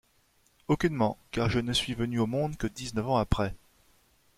Aucunement, car je ne suis venu au monde que dix-neuf ans après.